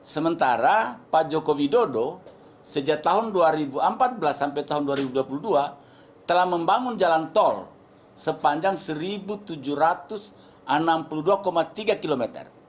sementara pak jokowi dodo sejak tahun dua ribu empat belas sampai tahun dua ribu dua puluh dua telah membangun jalan tol sepanjang satu tujuh ratus enam puluh dua tiga km